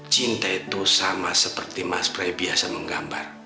cinta itu sama seperti mas pray biasa menggambar